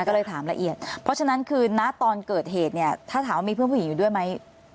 ก็เลยถามละเอียดเพราะฉะนั้นคือณตอนเกิดเหตุเนี่ยถ้าถามว่ามีเพื่อนผู้หญิงอยู่ด้วยไหม